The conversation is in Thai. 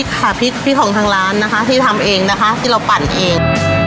คือพริกค่ะพริกของทางร้านที่ทำเองนะคะที่เราปั่นเอง